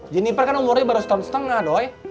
jiniper kan umurnya baru setengah doi